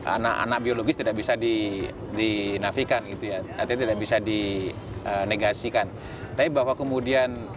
anak anak biologis tidak bisa dinafikan gitu ya artinya tidak bisa dinegasikan tapi bahwa kemudian